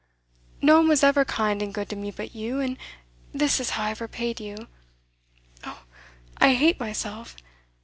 No one was ever kind and good to me but you, and this is how I have repaid you. Oh, I hate myself!